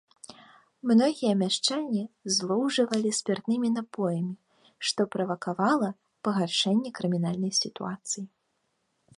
Многія мяшчане злоўжывалі спіртнымі напоямі, што правакавала пагаршэнне крымінальнай сітуацыі.